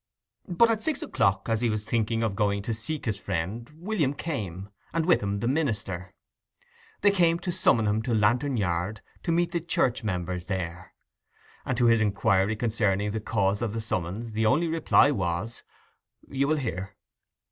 But at six o'clock, as he was thinking of going to seek his friend, William came, and with him the minister. They came to summon him to Lantern Yard, to meet the church members there; and to his inquiry concerning the cause of the summons the only reply was, "You will hear."